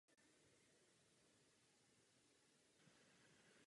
Její matka se i s dětmi přestěhovala zpět ke svým rodičům do Saska.